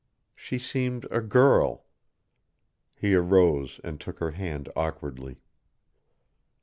She seemed a girl. He arose and took her hand awkwardly.